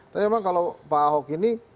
tapi memang kalau pak ahok ini